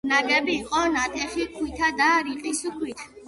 ნაგები იყო ნატეხი ქვითა და რიყის ქვით.